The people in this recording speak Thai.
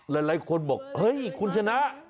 หลายคนบอกเฮ้ยคุณชนะ